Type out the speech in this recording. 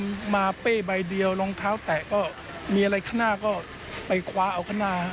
มันมาเป้ใบเดียวรองเท้าแตะก็มีอะไรข้างหน้าก็ไปคว้าเอาข้างหน้า